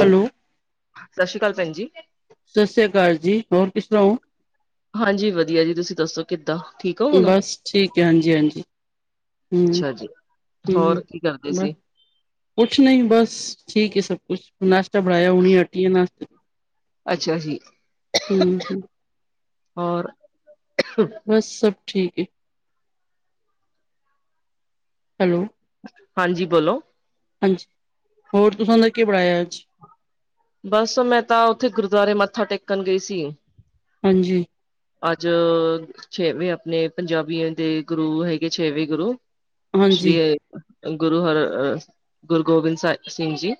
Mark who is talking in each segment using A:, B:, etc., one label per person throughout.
A: Hello
B: ਸਤਿ ਸ਼੍ਰੀ ਅਕਾਲ, ਭੈਣ ਜੀ
A: ਸਤਿ ਸ੍ਰੀ ਅਕਾਲ ਜੀ, ਹੋਰ ਕਿਸ ਤਰਾਂ ਹੋ
B: ਹਾਂਜੀ ਵਧੀਆ ਜੀ, ਤੁਸੀਂ ਦੱਸੋ ਕਿੱਦਾਂ ਠੀਕ ਹੋ ਹੁਣ?
A: ਬਸ ਠੀਕ ਹੈ, ਹਾਂਜੀ ਹਾਂਜੀ ਹੂ
B: ਅੱਛਾ ਜੀ।
A: ਹੂ
B: ਹੋਰ ਕੀ ਕਰਦੇ
A: ਬਸ
B: ਸੀ?
A: ਕੁਛ ਨਹੀਂ ਬਸ, ਠੀਕ ਹੈ ਸਭ ਕੁਛ, ਨਾਸ਼ਤਾ ਬਣਾਇਆ ਉ ਹਟੀ ਆਂ ਨਾਸ਼
B: ਅੱਛਾ ਜੀ, ਹੋਰ
A: ਬਸ ਸਭ ਠੀਕ ਏ ਹੈਲੋ
B: ਹਾਂਜੀ ਬੋਲੋ
A: ਹਾਂਜੀ ਹੋਰ, ਤੁ ਦਸ ਕੀ ਪੜ੍ਹਾਇਆ ਅੱਜ
B: ਬਸ, ਮੈਂ ਤਾਂ ਉੱਥੇ ਗੁਰਦੁਆਰੇ ਮੱਥਾ ਟੇਕਣ ਗਈ ਸੀ
A: ਹਾਂਜੀ
B: ਅੱਜ ਛੇਵੇਂ, ਆਪਣੇ ਪੰਜਾਬੀਆਂ ਦੇ ਗੁਰੂ ਹੈਗੇ, ਛੇਵੇਂ ਗੁਰੂ ਸ਼੍ਰੀ
A: ਹਾਂਜੀ,
B: ਗੁਰੂ ਹਰ ਗੁਰੂ ਗੋਬਿੰਦ ਸਾਹਿਬ ਸਿੰਘ ਜੀ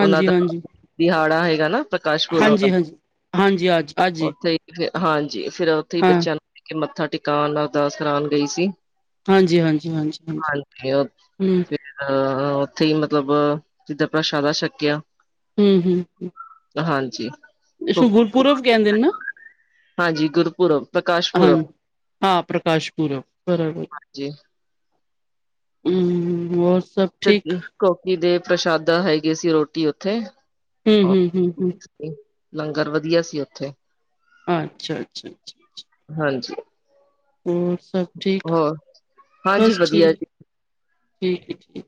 B: ਉਹਨਾਂ
A: ਹਾਂਜੀ,
B: ਦਾ
A: ਹਾਂਜੀ,
B: ਦਿਹਾੜਾ ਹੈਗਾ ਨਾ ਪ੍ਰਕਾਸ਼ ਪੁਰਬ ਐ,
A: ਹਾਂਜੀ, ਹਾਂਜੀ। ਹਾਂਜੀ, ਅੱਜ ਅੱਜ ਈ,
B: ਉੱਥੇ ਹੀ ਫ ਹਾਂਜੀ, ਫੇਰ ਉੱਥੇ ਹੀ
A: ਹਾਂ,
B: ਬੱਚਿਆਂ ਨੂੰ ਲੈ ਕੇ ਮੱਥਾ ਟਿਕਾਉਣ ਅਰਦਾਸ ਕਰਾਉਣ ਗਈ ਸੀ।
A: ਹਾਂਜੀ, ਹਾਂਜੀ, ਹਾਂਜੀ,
B: ਫ
A: ਹਾਂਜੀ।
B: [unintelligible]
A: ਹੂੰ,
B: ਅਹ, ਉੱਥੇ ਹੀ ਮਤਲਬ, ਜਿੱਥੇ ਪ੍ਰਸ਼ਾਦਾ ਛਕਿਆ
A: ਹੂ ਹੂ
B: ਹਾਂਜੀ
A: ਇਸ ਨੂੰ, ਗੁਰਪੁਰਬ ਕਹਿੰਦੇ ਨਾ
B: ਹਾਂਜੀ ਗੁਰਪੁਰਬ ਪ੍ਰਕਾਸ਼
A: ਹਾਂ
B: ਪੁਰਬ
A: ਹਾਂ ਪ੍ਰਕਾਸ਼ ਪੁਰਬ ਬਰਾਬਰ
B: ਜੀ
A: ਹੂ ਹੋਰ ਸਭ
B: ਤੇ
A: ਠੀਕ?
B: ਕੋਕੀ ਦੇ ਪ੍ਰਸ਼ਾਦਾ ਹੈਗੇ ਸੀ, ਰੋਟੀ ਉੱਥੇ
A: ਹੂ ਹੂ ਹੂ ਹੂ
B: ਲੰਗਰ ਵਧੀਆ ਸੀ ਉੱਥੇ
A: ਅੱਛਾ ਅੱਛਾ ਅੱਛਾ
B: ਹਾਂਜੀ
A: ਹੋਰ, ਸਭ ਠੀਕ,
B: ਹੋਰ ਹਾਂਜੀ
A: ਬਸ
B: ਵਧੀਆ
A: ਠੀਕ
B: ਜੀ
A: ਠੀਕ ਠੀਕ,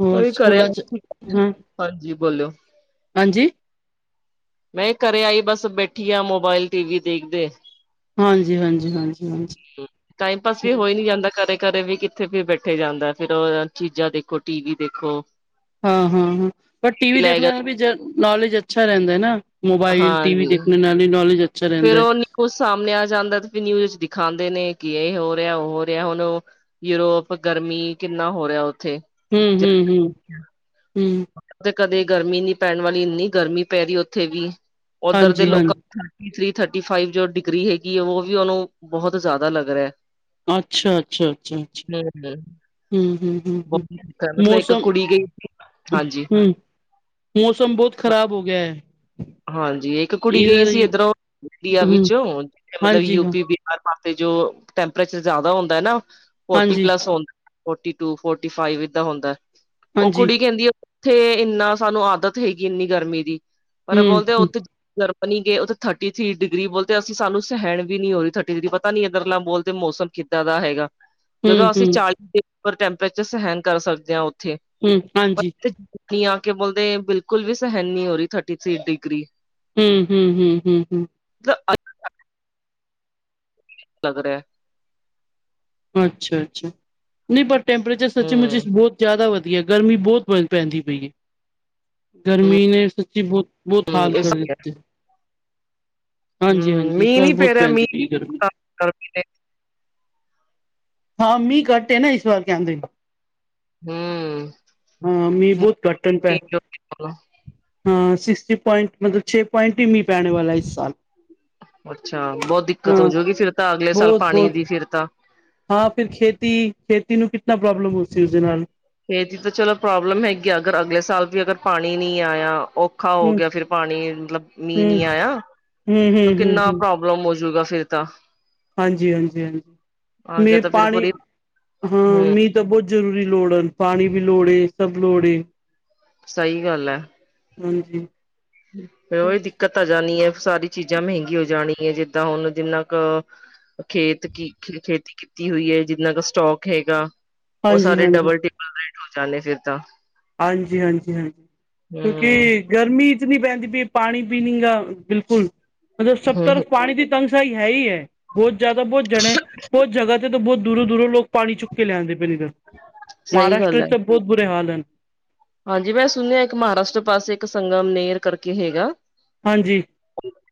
A: ਹੋਰ
B: ਉਹੀ ਕਰਿਆ
A: ਸਕੂਲਾਂ ਚ, ਹਾਂ
B: ਹਾਂਜੀ ਬੋਲੋ
A: ਹਾਂਜੀ
B: ਮੈਂ ਘਰੇ ਆਈ ਬਸ ਬੈਠੀ ਆ ਮੋਬਾਇਲ ਟੀ ਵੀ ਦੇਖਦੇ।
A: ਹਾਂਜੀ-ਹਾਂਜੀ-ਹਾਂਜੀ।
B: ਟਾਈਮ ਪਾਸ ਵੀ ਹੋਈ ਨੀ ਜਾਂਦਾ ਘਰੇ ਘਰੇ ਵੀ ਕਿੱਥੇ ਫਿਰ ਬੈਠੇ ਜਾਂਦਾ ਫੇਰ ਉਹ ਚੀਜ਼ਾਂ ਦੇਖੋ, ਟੀ ਵੀ ਦੇਖੋ
A: ਹਾਂ-ਹਾਂ-ਹਾਂ। ਪਰ ਟੀ ਵੀ ਦੇਖਣ ਨਾਲ ਵੀ ਨੌਲੇਜ ਅੱਛਾ ਰਹਿੰਦਾ ਹੈ ਨਾ। ਮੋਬਾਇਲ, ਟੀ ਵੀ ਦੇਖਣ ਨਾਲ ਹੀ ਨੌਲੇਜ ਅੱਛਾ ਰਹਿੰਦਾ।
B: ਕੁਛ ਸਾਹਮਣੇ ਆ ਜਾਂਦਾ ਤੇ ਨਿਊਜ਼ ਦਿਖਾਦੇ ਨੇ ਕਿ ਇਹ ਹੋ ਰਿਹਾ, ਉਹ ਹੋ ਰਿਹਾ ਹੁਣ। ਯੂਰੋਪ ਗਰਮੀ ਕਿੰਨਾ ਹੋ ਰਿਹਾ ਉੱਥੇ। ਜਦੋਂ
A: ਹੂੰ-ਹੰ-ਹੂੰ-ਹੂੰ।
B: ਤੇ ਕਦੇ ਗਰਮੀ ਨੀ ਪੈਣ ਵਾਲੀ ਇੰਨੀ ਗਰਮੀ ਪੈ ਰਹੀ ਉੱਥੇ ਵੀ, ਓਧਰ ਦੇ
A: ਹਾਂਜੀ, ਹਾਂ।
B: ਲੋਕਾਂ ਥ੍ਰਰੀ ਥਰਟੀ ਫਾਈਵ ਜੋ ਡਿਗਰੀ ਹੈਗੀ ਐਂ, ਉਹ ਵੀ ਉਹਨੂੰ ਬਹੁਤ ਜ਼ਿਆਦਾ ਲੱਗ ਰਿਹਾ ਐ।
A: ਅੱਛਾ-ਅੱਛਾ-ਅੱਛ-ਅੱਛਾ।
B: ਹੂੰ-ਹੂੰ।
A: ਹਮ-ਹਮ-ਹਮ-ਹਮ ਮੌਸਮ
B: ਕੁੜੀ ਗਈ ਹਾਂਜੀ
A: ਹੂੰ, ਮੌਸਮ ਬਹੁਤ ਖ਼ਰਾਬ ਹੋ ਗਿਆ ਐ।
B: ਹਾਂਜੀ, ਇੱਕ ਕੁੜੀ ਗਈ ਸੀ ਇੱਧਰੋਂ, ਇੰਡੀਆ
A: ਹੂੰ,
B: ਵਿੱਚੋਂ ਮਤਲਬ
A: ਹਾਂਜੀ,
B: ਯੂ
A: ਹਾਂ।
B: ਕੇ ਬਿ ਹਰ ਪਾਸੇ ਜੋ ਟੈਂਪਰੇਚਰ ਜ਼ਿਆਦਾ ਹੁੰਦਾ ਨਾ, ਫੋਰਟੀ
A: ਹਾਂਜੀ,
B: ਪਲੱਸ ਹੁੰ ਫੋਰਟੀ ਟੂ-ਫੋਰਟੀ ਫਾਈਵ ਏਦਾਂ ਹੁੰਦਾ, ਉਹ
A: ਹਾਂਜੀ।
B: ਕੁੜੀ ਕਹਿੰਦੀ ਆ। ਉੱਥੇ ਇੰਨਾ ਸਾਨੂੰ ਆਦਤ ਹੈਗੀ ਇੰਨੀ ਗਰਮੀ ਦੀ ਪਰ
A: ਹੂੰ,
B: ਬੋਲਦੇ
A: ਹੂੰ।
B: ਉੱਥੇ ਜਰਮਨੀ ਗਏ। ਉੱਥੇ ਥਿਰਟੀ ਥਰੀ ਡਿਗਰੀ ਬੋਲਦੇ ਅਸੀਂ ਸਾਨੂੰ ਸਹਿਣ ਵੀ ਹੋ ਰਹੀ ਥਰਟੀ ਥਰੀ ਪਤਾ ਨੀ ਇਧਰਲਾ ਮੌਸਮ ਕਿੱਦਾਂ ਦਾ ਹੈਗਾ?
A: ਹੂੰ,
B: ਜਦੋਂ ਅਸੀਂ
A: ਹੂੰ,
B: ਚਾਲੀ ਡਿਰ ਟੈਂਪਰੇਚਰ ਸਹਿਣ ਕਰ ਸਕਦੇ ਹਾਂ ਉੱਥੇ
A: ਹੂੰ,
B: ਪਰ
A: ਹਾਂਜੀ।
B: ਕਈ ਆ ਕੇ ਬੋਲਦੇ ਬਿਲਕੁਲ ਵੀ ਸਹਿਣ ਨੀ ਹੋ ਰਹੀ ਥਰਟੀ ਥ੍ਰੀ ਡਿਗਰੀ।
A: ਹੂੰ ਹੂੰ ਹੂੰ ਹੂੰ ਹੂੰ।
B: ਮਤਲਬ ਅੱਜ ਲਗ ਰਿਹਾ।
A: ਅੱਛਾ-ਅੱਛਾ, ਨੀ ਪਰ ਟੈਂਪਰੇਚਰ ਸੱਚੀ ਮੁਚੀ
B: ਹੂੰ,
A: ਬਹੁਤ ਜ਼ਿਆਦਾ ਵਧੀਆ ਗਰਮੀ ਬਹੁਤ ਪੈਂਦੀ ਪਈ ਏ, ਗਰਮੀ ਨੇ ਸੱਚੀ ਬਹੁਤ ਬਹੁਤ
B: ਹੂੰ
A: ਹਾਲ
B: ਇਸ
A: ਕਰ ਦਿੱਤੇ।
B: ਹਮ,
A: ਹਾਂਜੀ-ਹਾਂਜੀ ਇਸ
B: ਮੀਂਹ
A: ਵਾਰ
B: ਨੀ ਪੈ
A: ਬਹੁਤ
B: ਰਿਹਾ,
A: ਪੈਂਦੀ ਪਈ ਏ ਗਰਮੀ।
B: ਮੀਂਹ ਗਰਮੀ ਦੇ
A: ਹਾਂ, ਮੀਂਹ ਘੱਟ ਨਾ ਇਸ ਵਾਰ ਕਹਿੰਦੇ।
B: ਹੂੰ।
A: ਹਾਂ, ਮੀਂਹ ਬਹੁਤ ਘੱਟਣ ਪੈ ਹਾਂ, ਸਿਕਸਟੀ ਪੁਆਇੰਟ ਮਤਲਬ ਛੇ ਪੁਆਇੰਟ ਹੀ ਮੀਂਹ ਪੈਣੇ ਵਾਲਾ ਇਸ ਸਾਲ।
B: ਅੱਛਾ, ਬਹੁਤ ਦਿੱਕਤ
A: ਹਾਂ
B: ਹੋਜੂਗੀ ਫਿਰ ਤਾਂ ਅਗਲੇ ਸਾਲ ਪਾਣੀ
A: ਬਹੁਤ-ਬਹੁਤ
B: ਦੀ ਫਿਰ ਤਾਂ
A: ਹਾਂ ਫਿਰ ਖੇਤੀ ਖੇਤੀ ਨੂੰ ਕਿੰਤਨਾ ਪ੍ਰੋਬਲਮ ਉਸਦੇ ਦੇ ਨਾਲ
B: ਖੇਤੀ ਤਾਂ ਚਲੋ ਪ੍ਰੋਬਲਮ ਹੈਗੀ, ਅਗਰ ਅਗਲੇ ਸਾਲ ਵੀ ਅਗਰ ਪਾਣੀ ਨਹੀਂ ਆਇਆ ਓ ਔਖਾ
A: ਹੂੰ,
B: ਹੋ ਗਿਆ ਫਿਰ ਪਾਣੀ ਮਤਲਬ ਮੀਂਹ
A: ਹੂੰ,
B: ਨੀ
A: ਹੂੰ,
B: ਆਇਆ, ਤੇ
A: ਹੂੰ, ਹੂੰ,
B: ਕਿੰਨਾ ਪ੍ਰੋਬ ਪ੍ਰੋਮ ਹੋਜੂਗਾ ਫਿਰ ਤਾਂ
A: ਹਾਂਜੀ-ਹਾਂਜੀ-ਹਾਂਜੀ,
B: ਆ ਗਿਆ
A: ਮੀਂਹ
B: ਤਾਂ ਫਿਰ
A: ਪਾਣੀ
B: ਪੂਰੀ
A: ਹਾਂ
B: ਹੂੰ,
A: ਮੀਹ ਤਾਂ ਬਹੁਤ ਜ਼ਰੂਰੀ ਲੋੜ ਹਨ, ਪਾਣੀ ਦੀ ਲੋੜੇ ਏ, ਸਭ ਲੋੜ ਏ।
B: ਸਹੀ ਗੱਲ ਏ।
A: ਹਾਂਜੀ।
B: ਫਿਰ ਉਹੀ ਦਿੱਕਤ ਆ ਜਾਣੀ ਏ, ਸਾਰੀ ਚੀਜ਼ਾਂ ਮਹਿੰਗੀ ਹੋ ਜਾਣੀ ਏ, ਜਿੱਦਾਂ ਹੁਣ ਜਿੰਨਾ ਕ ਖੇਤ ਕੀ ਖੇਤੀ ਕੀਤੀ ਹੋਈ ਏ, ਜਿੰਨਾ ਦਾ ਸਟੋਕ ਹੈਗਾ। ਉਹ
A: ਹਾਂਜੀ
B: ਸਾਰੇ
A: ਹਾਂਜੀ
B: ਡਬਲ ਟਿੱਪਲ ਰੇਟ ਹੋ ਜਾਣੇ ਫੇਰ ਤਾਂ
A: ਹਾਂਜੀ-ਹਾਂਜੀ-ਹਾਂਜੀ
B: ਹਮ
A: ਕਿਉਂਕਿ ਗਰਮੀ ਇਤਨੀ ਪੈਂਦੀ ਪਈ, ਪਾਣੀ ਪੀ ਨੀ ਗਾ ਬਿਲਕੁਲ ਮਤਲਬ ਸੱਤਰ
B: ਹਮ
A: ਪਾਣੀ ਦੀ ਤੰਸ਼ਾਹੀ ਹੈ ਇ‌ ਐ ਬਹੁਤ ਜ਼ਿਆਦਾ ਬਹੁਤ ਜਣੇ ਬਹੁਤ ਜਗ ਜਦੋਂ ਬਹੁਤ ਦੂਰੋਂ-ਦੂਰੋਂ ਲੋਕ ਪਾਣੀ ਚੁੱਕ ਕੇ ਲਿਆਂਦੇ ਪਏ ਨੇ,
B: ਸਹੀ
A: ਮਹਾਰਾਸ਼ਟਰ
B: ਗੱਲ ਹੈ
A: ਵਿੱਚ ਤਾਂ ਬਹੁਤ ਬੁਰੇ ਹਾਲ ਹਨ।
B: ਹਾਂਜੀ ਮੈਂ ਸੁਣਿਆ ਇੱਕ ਮਹਾਰਾਸ਼ਟਰ ਪਾਸੇ ਇੱਕ ਸੰਗਮ ਨੇਰ ਕਰਕੇ ਹੈਗਾ।
A: ਹਾਂਜੀ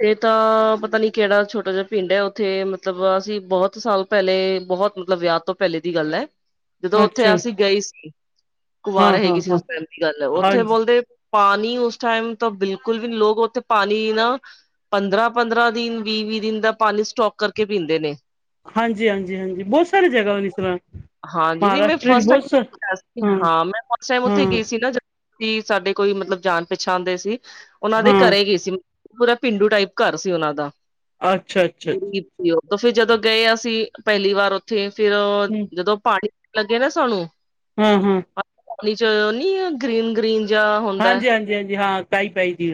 B: ਇਹ ਤਾਂ ਪਤਾ ਨੀ ਕਿਹੜਾ ਛੋਟਾ ਜਿਹਾ ਪਿੰਡ ਹੈ ਉਥੇ ਮਤਲਬ ਅਸੀਂ ਬਹੁਤ ਸਾਲ ਪਹਿਲੇ ਬਹੁਤ ਮਤਲਬ ਵਿਆਹ ਤੋਂ ਪਹਿਲੇ ਦੀ ਗੱਲ ਹੈ ਜਦੋਂ ਉਥੇ ਅਸੀਂ ਗਏ ਸੀ।
A: ਹਾਂ-ਹਾਂ-ਹਾਂ
B: ਸਹੀ ਗੱਲ ਉੱਥੇ ਬੋਲਦੇ ਪਾਣੀ ਉਸ ਟਾਈਮ ਤਾਂ ਬਿਲਕੁਲ ਵੀ ਲੋਕ ਉੱਥੇ ਪਾਣੀ ਨਾ ਪੰਦਰਾਂ -ਪੰਦਰਾਂ ਦਿਨ ਵੀਹ- ਵੀਹ ਦਿਨ ਦਾ ਪਾਣੀ ਸਟੋਕ ਕਰਕੇ ਪੀਂਦੇ ਨੇ।
A: ਹਾਂਜੀ- ਹਾਂਜੀ -ਹਾਂਜੀ ਬਹੁਤ ਸਾਰੇ ਜਗ੍ਹਾ ਇਸ ਤਰ੍ਹਾਂ
B: ਹਾਂਜੀ ਨਹੀਂ ਮੈਂ
A: ਮਹਾਰਾਸ਼ਟਰ ਚ
B: ਫਸਟ
A: ਬਹੁਤ ਸ
B: ਟਾਈਮ ਹਾਂ ਮੈਂ ਫਸਟ ਟਾਈਮ ਉੱਥੇ
A: ਹਾਂ
B: ਗਈ ਸੀ। ਨਾ ਸਾਡੇ ਕੋਈ ਮਤਲਬ ਜਾਣ ਪਹਿਚਾਣ ਦੇ ਸੀ ਉਹਨਾਂ ਦੇ
A: ਹਾਂ,
B: ਘਰੇ ਗਏ ਸੀ ਮੈ ਪੂਰਾ ਪੇਂਡੂ ਟਾਈਪ ਘਰ ਸੀ ਉਹਨਾਂ ਦਾ
A: ਅੱਛਾ, ਅੱਛਾ, ਅੱਛਾ।
B: ਗਰੀਬ ਉਹ ਫਿਰ ਜਦੋਂ ਗਏ ਅਸੀਂ ਪਹਿਲੀ ਵਾਰ ਉੱਥੇ ਫਿਰ
A: ਹਾਂ,
B: ਜਦੋਂ ਪਾਣੀ ਲੱਗੇ ਨਾ ਸਾਨੂੰ
A: ਹਾਂ- ਹਾਂ
B: ਜਦੋਂ ਨਹੀਂ ਗ੍ਰੀਨ- ਗ੍ਰੀਨ ਜਾਂ ਹੁੰਦਾ
A: ਹਾਂਜੀ- ਹਾਂਜੀ- ਹਾਂਜੀ ਹਾਂ ਕਾਈ ਪਾਈ ਜੀ।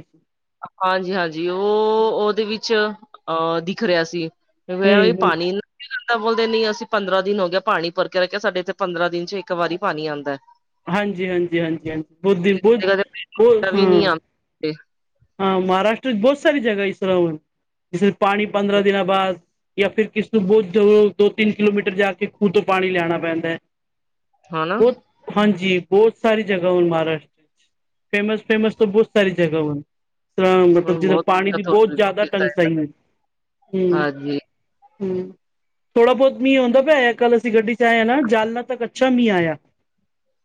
B: ਹਾਂਜੀ- ਹਾਂਜੀ ਉਹ ਉਹਦੇ ਵਿੱਚ ਅਹ ਦਿਖ ਰਿਹਾ ਸੀ। [unintelligible] ਵੀ
A: ਹੂੰ।
B: ਪਾਣੀ ਨਾ ਬੰਦਾ ਬੋਲਦੇ ਨਹੀਂ ਅਸੀਂ ਪੰਦਰਾਂ ਦਿਨ ਹੋ ਗਿਆ ਪਾਣੀ ਭਰ ਕੇ ਰੱਖਿਆ ਸਾਡੇ ਇੱਥੇ ਪੰਦਰਾਂ ਦਿਨ 'ਚ ਇੱਕ ਵਾਰੀ ਪਾਣੀ ਆਂਦਾ।
A: ਹਾਂਜੀ- ਹਾਂਜੀ- ਹਾਂਜੀ -ਹਾਂਜੀ ਬਹੁਤ ਦਿਨ ਬਹੁਤ-
B: ਕਦੇ ਕਦੇ ਪਹਿਲਾਂ
A: ਬਹੁਤ
B: ਵੀ ਨੀ
A: ਹਾਂ।
B: ਆਂਦਾ
A: ਹਾਂ ਮਹਾਰਾਸ਼ਟਰ 'ਚ ਬਹੁੱਤ ਸਾਰੀ ਜਗਾ ਇਸ ਤਰ੍ਹਾਂ ਵਾ ਪਾਣੀ ਪੰਦਰਾਂ ਦਿਨਾਂ ਬਾਅਦ ਜਾਂ ਫਿਰ ਕਿਸਨੂੰ ਬਹੁਤ ਦੋ ਤਿੰਨ ਕਿਲੋਮੀਟਰ ਜਾ ਕੇ ਖੂਹ ਤੋਂ ਪਾਣੀ ਲਿਆਣਾ ਪੈਂਦਾ।
B: ਹਨਾ
A: ਬਹੁਤ ਹਾਂਜੀ ਬਹੁਤ ਸਾਰੀ ਜਗ੍ਹਾ ਮਹਾਰਾਸ਼ਟਰ ਵਿੱਚ ਫੇਮਸ- ਫੇਮਸ ਤੋਂ ਬਹੁਤ ਸਾਰੀ ਜਗਾਂ ਵਾ। ਹੂੰ ਮਤਲੱਬ
B: ਹੁਣ
A: ਜਿੱਧਰ
B: ਬਹੁਤ
A: ਪਾਣੀ ਦੀ
B: ਦਿੱਕਤ ਹੋ
A: ਬਹੁਤ ਜ਼ਿਆਦਾ
B: ਰਹੀ
A: ਤੰਗ
B: ਹੈ।
A: ਸਹੀ ਹੇ ਹੂੰ।
B: ਹਾਂਜੀ
A: ਹੂੰ ਥੋੜਾ ਬਹੁਤ ਮੀਂਹ ਹੁੰਦਾ ਪਿਆ ਕੱਲ੍ਹ ਅਸੀ ਗੱਡੀ 'ਚ ਆਏ ਹਾਂ ਨਾ ਜਾਲਨਾ ਤੱਕ ਅੱਛਾ ਮੀਂਹ ਆਇਆ।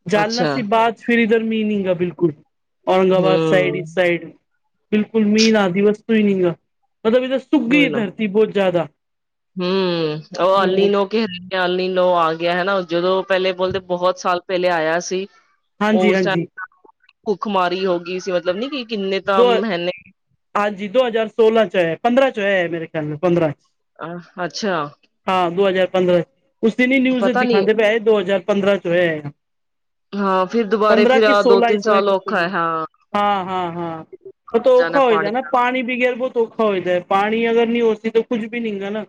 A: ਜਾਲਨਾ
B: ਅੱਛਾ
A: ਸੀ ਬਾਅਦ ਫਿਰ ਇੱਧਰ ਮੀਂਹ ਨਹੀਂ ਹੇਗਾ ਬਿਲਕੁੱਲ ਔਰੰਗਾਬਾਦ ਸਾਈਡ
B: ਹੂੰ
A: ਇਸ ਸਾਈਡ ਬਿਲਕੁਲ ਮੀਂਹ ਨਾ ਆਦੀ ਵਸਤੂ ਹੀ ਨੀ ਹੇਗਾ ਮਤਲੱਬ ਇਹ ਸੁੱਕ ਗਈ
B: ਉਹੀ
A: ਹੈ
B: ਨਾ
A: ਧਰਤੀ ਬਹੁਤ ਜ਼ਿਆਦਾ
B: ਹੂੰ ਉਹ ਆਲੀ ਨੂੰ [unintelligible] ਨੂੰ ਆ ਗਿਆ ਹਨਾ ਜਦੋਂ ਪਹਿਲੇ ਬੋਲਦੇ ਬਹੁਤ ਸਾਲ ਪਹਿਲੇ ਆਇਆ ਸੀ।
A: ਹਾਂਜੀ
B: ਉਸ
A: ਹਾਂਜੀ
B: ਟਾਈਮ ਭੁੱਖਮਾਰੀ ਹੋ ਗਈ ਸੀ ਮਤਲਬ ਨੀ ਕਿ ਕਿੰਨੇ ਤਾਂ
A: ਦੋ
B: ਮੈਨੇ
A: ਹਾਂਜੀ ਦੋ ਹਜ਼ਾਰ ਸੋਲਾਂ 'ਚ ਆਇ ਪੰਦਰਾਂ 'ਚ ਆਇਆ ਮੇਰੇ ਖਿਆਲ ਨਾਲ ਪੰਦਰਾਂ 'ਚ
B: ਆਹ ਅੱਛਾ
A: ਹਾਂ ਦੋ ਹਜ਼ਾਰ ਪੰਦਰਾਂ ਉਸ ਦਿਨ ਹੀ ਨਿਊਜ਼
B: ਪਤਾ ਨੀ
A: ਦਿਖਾਂਦੇ ਪਏ ਦੋ ਹਜ਼ਾਰ ਪੰਦਰਾਂ 'ਚ ਹੋਇਆ ਹੈ।
B: ਹਾਂ ਫਿਰ ਦੁਬਾਰੇ
A: ਪੰਦਰਾਂ
B: ਫਿਰ
A: ਕੇ
B: ਆਹ ਦੋ
A: ਸੋਲਾਂ
B: ਤਿੰਨ
A: ਇਸ ਤਰਾਂ
B: ਸਾਲ ਔਖਾ ਹੈ ਹਾਂ
A: ਹਾਂ- ਹਾਂ- ਹਾਂ। ਉਹ
B: ਜਾਣਾ
A: ਔਖਾ ਹੋਈ ਦਾ ਨਾ।
B: ਨਾਲ
A: ਪਾਣੀ ਬਗੈਰ ਬਹੁਤ ਔਖਾ ਹੋਈ ਦਾ ਪਾਣੀ ਅਗਰ ਨਹੀਂ ਹੋ ਸਕੇ ਤਾਂ ਕੁੱਝ ਵੀ ਨਹੀਂ ਗਾ ਨਾ।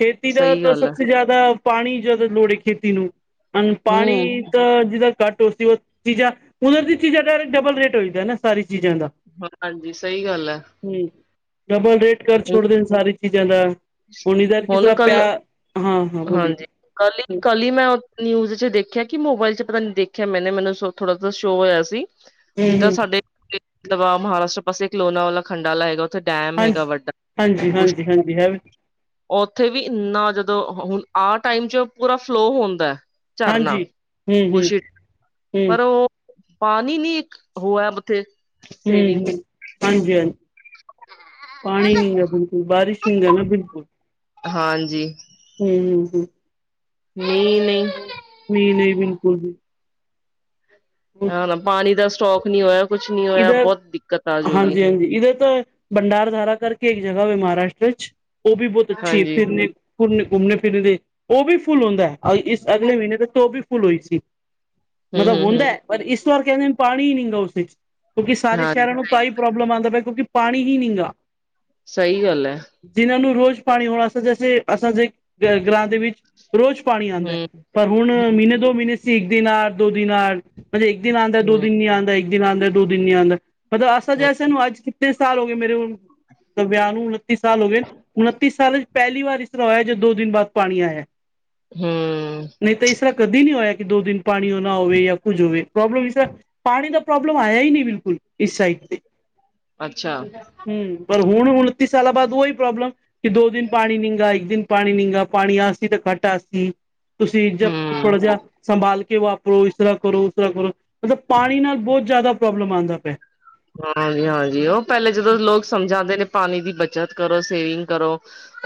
A: ਖੇਤੀ ਦਾ
B: ਸਹੀ
A: ਤਾਂ
B: ਗੱਲ
A: ਸਭ
B: ਹੈ
A: ਤੋਂ ਜ਼ਿਆਦਾ ਪਾਣੀ ਜਦੋਂ ਲੋੜ ਹੀ ਖੇਤੀ ਨੂੰ ਹੁਣ ਪਾਣੀ
B: ਹਮ
A: ਤਾਂ ਜਿਦਾ ਘੱਟ ਉਸਦੀ ਉਹ ਚੀਜ਼ਾਂ ਉੱਧਰ ਦੀ ਚੀਜ਼ਾਂ ਦਾ ਡਬਲ ਰੇਟ ਹੋ ਜਾਂਦਾ ਨਾ ਸਾਰੀ ਚੀਜ਼ਾਂ ਦਾ
B: ਹਾਂਜੀ ਸਹੀ ਗੱਲ ਏ।
A: ਹੂੰ ਡਬੱਲ ਰੇਟ ਕਰ ਛੋੜ ਦੇਣ ਸਾਰੀ ਚੀਜ਼ਾਂ ਦਾ ਹੁਣ ਇਧਰ ਕਿਸ ਤਰਾ ਪਿਆ ਹਾਂ- ਹਾਂ ਬੋਲੀ
B: ਹਾਂਜੀ ਕੱਲ -ਕੱਲ ਹੀ ਮੈਂ ਨਿਊਜ਼ 'ਚ ਦੇਖਿਆ ਕਿ ਮੋਬਾਇਲ 'ਚ ਪਤਾ ਨੀ ਦੇਖਿਆ ਮੈਨੇ ਮੈਨੂੰ ਥੋੜਾ ਸ਼ੋ ਹੋਇਆ ਸੀ। ਜਿੱਦਾਂ
A: ਹੂੰ
B: ਸਾਡੇ ਮਹਾਰਾਸ਼ਟਰ ਪਾਸੇ ਕਲੋਨਾ ਵਾਲਾ ਖੰਡਾ ਵਾਲਾ ਹੈਗਾ। ਉਥੇ ਡੈਮ ਹੈਗਾ ਵੱਡਾ ਬੁ
A: ਬ ਹੈਵ [unintelligible]
B: ਉਥੇ ਵੀ ਇੰਨਾ ਜਦੋਂ ਹੁਣ ਆਹ ਟਾਈਮ 'ਚ ਪੂਰਾ ਫਲੋ ਹੁੰਦਾ। ਝਰਨਾ,
A: ਹਾਂਜੀ ਹੂੰ ਹੂੰ
B: ਬੂਸ਼ਿਟ,
A: ਹੂੰ
B: ਪਰ ਉਹ ਪਾਨੀ ਨੀ ਇੱਕ ਹੋਇਆ, ਉਥੇ।
A: ਹੂੰ, ਹੂੰ, ਹਾਂਜੀ-ਹਾਂਜੀ। ਪਾਣੀ ਨਹੀਂ ਗਾ ਬਿਲਕੁੱਲ, ਬਾਰਿਸ਼ ਨਹੀਂ ਗਾ ਨਾ, ਬਿਲਕੁੱਲ।
B: ਹਾਂਜੀ।
A: ਹੂੰ, ਹੂੰ, ਹੂੰ
B: ਨਹੀਂ-ਨਹੀਂ
A: ਮੀਂਹ ਨਹੀਂ, ਬਿਲਕੁੱਲ ਵੀ।
B: ਹਾਂ, ਪਾਣੀ ਦਾ ਸਟੌਕ ਨਹੀਂ ਹੋਇਆ ਕੁਛ ਨਹੀਂ ਹੋਇਆ
A: ਈਧਰ,
B: ਬਹੁਤ ਦਿੱਕਤ ਆ ਜਾਊਗੀ
A: ਹਾਂਜੀ-ਹਾਂਜੀ, ਇੱਧਰ ਤਾਂ ਭੰਡਾਰਧਾਰਾ ਕਰਕੇ ਇੱਕ ਜਗ੍ਹਾ ਵੇ, ਮਹਾਰਾਸ਼ਟਰ'ਚ ਵਿੱਚ ਉਹ ਵੀ ਬਹੁੱਤ ਅੱਛੀ ਏ,
B: ਹਾਂਜੀ
A: ਫਿਰਨੇ ਘੁੰਮਣੇ, ਘੁੰਮਣੇ ਫਿਰਨੇ ਉਹ ਵੀ ਫੁੱਲ ਹੁੰਦਾ ਹੈ, ਇਸ ਅਗਲੇ ਮਹੀਨੇ ਤੱਕ ਉਹ ਵੀ ਫੁੱਲ ਹੋਈ ਸੀ।
B: ਹੂੰ
A: ਮਤਲਬ
B: ਹੂੰ
A: ਹੁੰਦਾ,
B: ਹੂੰ
A: ਪਰ ਇਸ ਵਾਰ ਕਹਿੰਦੇ ਨੇ ਪਾਣੀ ਹੀ ਨੀਂਗਾ ਉਸ ਵਿੱਚ, ਕਿਉਂਕਿ ਸਾਰੇ
B: ਹਾਂਜੀ
A: ਸ਼ਹਿਰਾਂ ਨੂੰ ਤਾਈ ਪ੍ਰੌਬਲਮ ਆਂਦਾ ਪਿਆ, ਕਿਉਂਕਿ ਪਾਣੀ ਹੀ ਨੀਂਗਾ।
B: ਸਹੀ ਗੱਲ ਐ।
A: ਜਿਨਾਂ ਨੂੰ ਰੋਜ਼ ਪਾਣੀ ਹੋਣਾ ਜੈਸੇ, ਅਸਾਂਦੇ ਘਰਾਂ ਦੇ ਵਿੱਚ ਰੋਜ਼ ਪਾਣੀ ਆਂਦੈ,
B: ਹੂੰ
A: ਪਰ ਹੁਣ ਮਹੀਨੇ, ਦੋ ਮਹੀਨੇ ਸੀ ਇੱਕ-ਦਿਨ ਆ, ਦੋ-ਦਿਨ ਆ ਮ੍ਹਨਜੇ ਇੱਕ ਦਿਨ ਆਂਦਾ, ਦੋ
B: ਹੂੰ
A: ਦਿਨ ਨੀ ਨਹੀਂਂ ਆਂਦਾ, ਇੱਕ ਦਿਨ ਆਂਦਾ, ਦੋ ਦਿਨ ਨਹੀਂ ਆਂਦਾ, ਮਤਲਬ ਅਸਲ'ਚ
B: ਹੂੰ
A: ਅਸਾਂਨੂੰ ਅੱਜ ਕਿਤਨੇ ਸਾਲ ਹੋ ਗਏ ਮੇਰੇ ਵਿਆਹ ਨੂੰ, ਉਣੱਤੀ ਸਾਲ ਹੋ ਗਏ। ਉਨੱਤੀ ਸਾਲ'ਚ ਪਹਿਲੀ ਵਾਰ ਇਸ ਤਰ੍ਹਾਂ ਹੋਇਆ, ਜਦ ਦੋ ਦਿਨ ਬਾਅਦ ਪਾਣੀ ਆਇਆ।
B: ਹੂੰ,
A: ਨਹੀਂ ਤਾਂ ਇਸ ਤਰ੍ਹਾਂ ਕਦੇ ਨਹੀਂ ਹੋਇਆ, ਕਿ ਦੋ-ਦਿਨ ਪਾਣੀ ਨਾ ਹੋਵੇ, ਯਾ ਕੁੱਝ ਹੋਵੇ ਪ੍ਰੌਬਲਮ ਇਸਰਾ ਪਾਣੀ ਦਾ ਪ੍ਰੋਬਲਮ ਹਾਇਆ ਹੀ ਨਹੀਂ ਬਿਲਕੁਲ, ਇਸ ਸਾਈਟ ਤੇ।
B: ਅੱਛਾ।
A: ਹੂੰ, ਪਰ ਹੁਣ ਉਣੱਤੀ ਸਾਲਾਂ ਬਾਅਦ ਓਹੀ ਪ੍ਰੌਬਲਮ। ਕਿ ਦੋ-ਦਿਨ ਪਾਣੀ ਨੀਂਗਾ, ਇੱਕ ਦਿਨ ਪਾਣੀ ਨੀਂਗਾ, ਪਾਣੀ ਆਸੀ ਤੇ ਘੱਟ ਆਸੀ। ਤੁਸੀਂ ਜਬ
B: ਹੂੰ
A: ਥੋੜਾ ਜਿਹਾ ਸੰਭਾਲਕੇ ਵਾਪਰੋ, ਇਸ ਤਰ੍ਹਾਂ ਕਰੋ, ਉਸ ਤਰ੍ਹਾਂ ਕਰੋ। ਮਤਲਬ, ਪਾਣੀ ਨਾਲ ਬਹੁਤ ਜ਼ਿਆਦਾ ਪ੍ਰੌਬਲਮ ਆਂਦਾ ਪਿਆ।
B: ਹਾਂਜੀ-ਹਾਂਜੀ, ਉਹ ਪਹਿਲੇ ਜਦੋਂ ਲੋਕ ਸਮਝਾਂਦੇ ਨੇ ਪਾਣੀ ਦੀ ਬੱਚਤ ਕਰੋ, ਸੇਵਿੰਗ ਕਰੋ।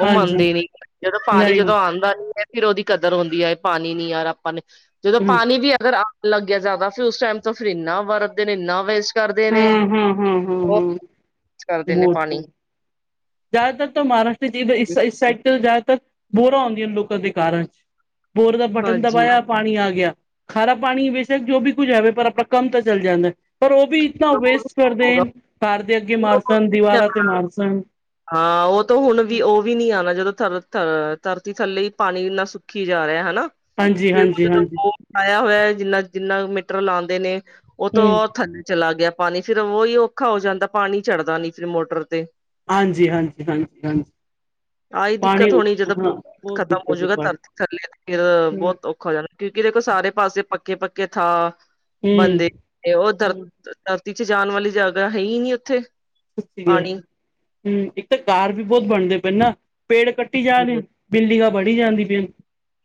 B: ਉਹ
A: ਹਾਂਜੀ
B: ਮੰਨਦੇ ਨੀ, ਜਦੋਂ ਪਾਣੀ
A: ਨਹੀਂ
B: ਜਦੋਂ ਆਂਦਾ ਨੀ ਐ ਫਿਰ ਉਹਦੀ ਕਦਰ ਹੁੰਦੀ ਐ, ਪਾਣੀ ਨੀ ਆਰਾ ਆਪਾਂ ਨੇ ਜਦੋਂ
A: ਹਮ
B: ਪਾਣੀ ਵੀ ਅਗਰ ਲੱਗ ਗਿਆ ਜ਼ਿਆਦਾ ਫਿਰ, ਉਸ ਟਾਈਮ ਤੋਂ ਫਿਰ ਇਨਾ ਵਰਤਦੇ ਨੇ, ਇੰਨਾ ਵੇਸਟ ਕਰਦੇ ਨੇ।
A: ਹਾਂ, ਹਾਂ, ਹਾਂ, ਹਾਂ,
B: ਬਹੁਤ
A: ਹਾਂ,
B: ਵੇਸਟ ਕਰਦੇ ਨੇ ਪਾਣੀ
A: ਬਹੁਤ-ਬਹੁਤ। ਜ਼ਿਆਦਾਤਰ ਤਾਂ ਮਹਾਰਾਸ਼ਟਰੀ'ਚ ਇਸ, ਇਸ ਸਾਈਡ ਤੇ ਜ਼ਿਆਦਾਤਰ ਬੋਰਾਂ ਹੋਂਦੀਆਂ ਨੇ ਲੋਕਾਂ ਦੇ ਘਾਰਾਂ'ਚ। ਬੋਰ ਦਾ ਬਟਨ
B: ਹਾਂਜੀ
A: ਦਬਾਇਆ ਪਾਣੀ ਆਗਿਆ, ਖਾਰਾ ਪਾਣੀ ਬੇਸ਼ੱਕ ਜੋ ਵੀ ਕੁੱਝ ਹੈਵੇ, ਪਰ ਆਪਣਾ ਕੰਮ ਤਾਂ ਚੱਲ ਜਾਂਦਾ। ਪਰ ਉਹ ਵੀ ਇਤਨਾ ਵੇਸਟ ਕਰਦੇਨ, ਘਰ ਦੇ ਅੱਗੇ ਮਾਰ ਸਨ, ਦੀਵਾਰਾਂ ਤੇ ਮਾਰ ਸਣ।
B: ਹਾਂ, ਉਹ ਤੋ, ਹੁਣ ਵੀ ਉਹ ਵੀ ਨੀ ਆਣਾ, ਜਦੋਂ ਥਥ, ਧਰਤੀ ਥੱਲੇ ਈ ਪਾਣੀ ਇੰਨਾ ਸੁੱਕੀ ਜਾ ਰਿਹਾ, ਹਨਾ।
A: ਹਾਂਜੀ
B: ਫਿਰ ਉਹ
A: ਹਾਂਜੀ
B: ਜੇੜਾ
A: ਹਾਂਜੀ
B: ਬੋਰ ਲਾਇਆ ਹੋਇਆ, ਜਿੰਨਾ-ਜਿੰਨਾ ਮੀਟਰ ਲਾਂਦੇ ਨੇ ਉਹ ਤੋਂ
A: ਹਮ
B: ਔਰ ਥੱਲੇ ਚਲਾ ਗਿਆ ਪਾਣੀ, ਫਿਰ ਉਹੀ ਔਖਾ ਹੋ ਜਾਂਦਾ। ਪਾਣੀ ਚੜਦਾ ਨੀ ਫਿਰ ਮੋਟਰ ਤੇ।
A: ਹਾਂਜੀ-ਹਾਂਜੀ, ਹਾਂਜੀ-ਹਾਂਜੀ।
B: ਆਹੀ ਦਿੱਕਤ ਹੋਣੀ ਜਦੋਂ
A: ਬਹੁਤ
B: ਖਤਮ
A: ਦਿੱਕਤ ਹੈ
B: ਹੋਜੂਗਾ,
A: ਪਾਣੀ
B: ਧਰਤੀ ਥੱਲੇ ਫਿਰ ਬਹੁਤ ਔ ਹੋ ਜਾਣਾ, ਕਿਉਂਕਿ ਦੇਖੋ ਸਾਰੇ ਪਾਸੇ ਪੱਕੇ-ਪੱਕੇ ਥਾ
A: ਹਮ
B: ਬੰਦੇ ਓ ਧਰ
A: ਹਮ
B: ਧਰਤੀ'ਚ ਜਾਣ ਵਾਲੀ ਜਗ੍ਹਾ, ਹੈਹੀ ਨੀ ਉੱਥੇ।
A: ਇਸਲੀਏ,
B: ਪਾਣੀ
A: ਇੱਕ ਤਾਂ ਘਾਰ ਵੀ ਬਹੁਤ ਬਣਦੇ ਪਏ ਨਾ, ਪੇੜ ਕੱਟੀ ਜਾ ਰਹੇ
B: ਹੂੰ,
A: ਬਿਲਡੀੰਗਾਂ ਬਣੀ ਜਾਂਦੀ ਪੀਆਨ।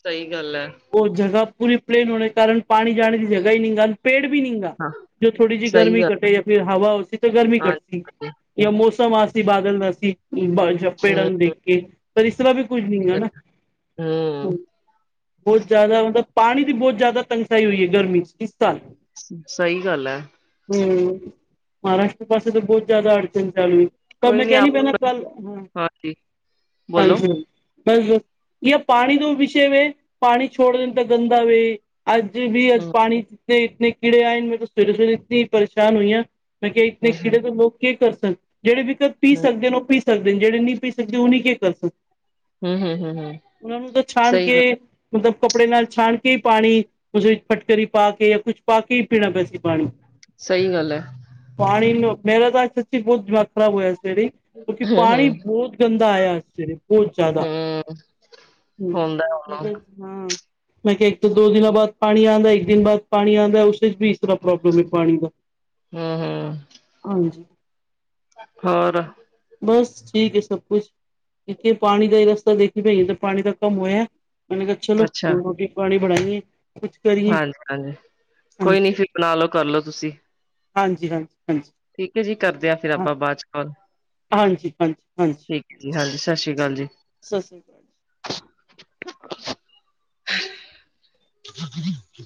B: ਸਹੀ ਗੱਲ ਐ।
A: ਉਹ ਜ੍ਹਗਾ ਪੂਰੀ ਪਲੇਨ ਹੋਣੇ ਕਾਰਨ, ਪਾਣੀ ਜਾਣੇ ਦੀ ਜਗ੍ਹਾ ਹੀ ਨੀਂਗਾ, ਪੇੜ ਵੀ ਨੀਂਗਾ।
B: ਹਾਂ
A: ਜੋ ਥੋੜੀ ਜਿਹੀ
B: ਸਹੀ
A: ਗਰਮੀ
B: ਗੱਲ ਹੈ
A: ਘਟੇ, ਯਾ ਫਿਰ ਹਵਾ ਹੋਸੀ ਤਾਂ ਗਰਮੀ ਘੱ
B: ਹਾਂਜੀ
A: ਜੇ ਮੌਸਮ ਆਸੀ, ਬਾਦਲ ਦਾਸੀ ਪੇੜਾਂ
B: ਹੂੰ
A: ਨੂੰ ਦੇਖ ਕੇ ਪਰ ਇਸ ਤਰ੍ਹਾਂ, ਵੀ ਕੁਝ
B: ਸਹੀ
A: ਨਹੀਂ ਹੈ
B: ਗੱਲ
A: ਨਾ
B: ਹੈ। ਹੂੰ
A: ਬਹੁਤ ਜ਼ਿਆਦਾ, ਪਾਣੀ ਦੀ ਬਹੁਤ ਜ਼ਿਆਦਾ ਤੰਗਸਾਈ, ਹੋਈ ਏ ਗਰਮੀ ਚ ਇਸ ਤ
B: ਸਹੀ, ਗੱਲ ਐ।
A: ਹੂੰ, ਮਹਾਰਾਸ਼ਟਰ ਪਾਸੇ ਤਾਂ ਬਹੁਤ ਜ਼ਿਆਦਾ ਅੜਚਣ ਚਾਲੂ ਤੁਹਾਨੂੰ
B: ਕੋਈ
A: ਮੈ
B: ਨੀ
A: ਕਿਹਾ ਨਈ,
B: ਆਪ
A: ਪਹਿਲਾ ਕੱਲ,
B: ਹਾਂਜੀ
A: ਆਈ
B: ਬੋਲੋ
A: ਸੀ। ਬੱਸ ਜੇ ਪਾਣੀ ਤੋਂ ਵਿਸ਼ੇ ਵੇ, ਪਾਣੀ ਛੋੜ ਦੇਦੇ ਗੰਦਾ ਵੇ। ਅੱਜ ਵੀ ਅੱਜ,
B: ਹੂੰ
A: ਪਾਣੀੇ ਇਤਨੇ ਕੀੜੇ ਆਏ, ਮੇ ਤਾਂ ਸਵੇਰੇ- ਸਵੇਰੇ ਇਤਨੀ ਹੀ ਪਰੇਸ਼ਾਨ ਹੋਈ ਹਾਂ। ਮੈਂ ਕਿਹਾ, ਇਤਣੇ
B: ਹੂੰ
A: ਕੀੜੇ
B: ਹੂੰ
A: ਦੇ ਲੋਕ ਕੀ ਕਰ ਸਨ, ਜਿਹੜੇ ਵੀ ਪੀ
B: ਹੂੰ
A: ਸਕਦੇ ਨੇ ਉਹ ਪੀ ਸਕਦੇ, ਜਿਹੜੇ ਨਹੀਂ ਪੀ ਸਕਦੇ, ਉਹ ਨਹੀਂ ਕਿ ਕਰ ਸਨ
B: ਹੂੰ ਹੂੰ ਹੂੰ ਹੂੰ
A: ਉਹਨਾਂ ਨੂੰ ਤਾਂ ਛਾਣ
B: ਸਹੀ
A: ਕੇ
B: ਗੱਲ
A: ਮਤਲਬ, ਕੱਪੜੇ ਨਾਲ ਛਾਣ ਕੇ ਹੀ ਪਾਣੀ ਉਸੇ ਵਿੱਚ ਫਟਕੜੀ, ਪਾ ਕੇ ਜਾਂ ਕੁਛ ਪਾ ਕੇ, ਹੀ ਪੀਣਾ ਪੈ ਸੀ ਪਾਣੀ।
B: ਸਹੀ ਗੱਲ ਐ।
A: ਪਾਣੀ ਨੂੰ, ਮੇਰਾ ਤਾਂ ਸੱਚੀ ਬਹੁਤ ਦਿਮਾਗ ਖਰਾਬ ਹੋਇਆ ਅੱਜ ਸਵੇਰੇ ਕਿਉਂਕਿ
B: ਹੂੰ ਹੂੰ
A: ਪਾਣੀ ਬਹੁਤ ਗੰਦਾ, ਆਇਆ ਅੱਜ ਸਵੇਰੇ ਬਹੁਤ, ਜ਼ਿਆਦਾ ਹ
B: ਹੂੰ ਹੁੰਦਾ ਹੁਣ
A: ਹਾਂ ਮੈਂ ਕਿਹਾ, ਇੱਕ ਤਾਂ ਦੋ ਦਿਨਾਂ ਬਾਅਦ ਪਾਣੀ ਆਉਂਦਾ, ਇੱਕ ਦਿਨ ਬਾਅਦ, ਪਾਣੀ ਆਉਂਦਾ ਉਸ ਵੀ ਇਸ ਤਰ੍ਹਾਂ ਪ੍ਰੋਬਲਮ ਹੈ, ਪਾਣੀ ਦਾ
B: ਹੂੰ ਹੂੰ
A: ਹਾਂਜੀ,
B: ਹੋਰ
A: ਬਸ ਠੀਕ ਹੈ ਸਭ ਕੁਛ, ਇਕੇ ਪਾਣੀ ਦਾ ਹੀ ਰਸਤਾ ਦੇਖੀ ਇ ਤਾਂ ਪਾਣੀ ਦਾ ਕੰਮ ਹੋਇਆ ਮੈ ਕਿਹਾ, ਚਲੋ
B: ਅੱਛਾ
A: ਰੋਟੀ ਪਾਣੀ ਬਣਾਾਈਏ?
B: ਹਾਂਜੀ- ਹਾਂਜੀ ਕੋਈ
A: ਹਾਂਜੀ
B: ਨੀ ਫਿਰ ਬਣਾ ਲਓ ਕਰਲਓ ਤੁਸੀਂ।
A: ਹਾਂਜੀ, ਹਾਂਜੀ, ਹਾਂਜੀ।
B: ਇੱਕ ਜੀ ਕਰਦਾ ਆ ਫਿਰ
A: ਹਾਂ
B: ਆਪਾਂ ਬਾਅਦ ਚ, ਕਾਲ
A: ਹਾਂਜੀ ਹਾਂਜੀ
B: ਠੀਕ ਜੀ, ਹਾਂਜੀ ਸਤਿ ਸ੍ਰੀ ਅਕਾਲ ਜੀ।
A: ਸਤਿ ਸ਼੍ਰੀ ਅਕਾਲ।
B: ਹ [inaudible]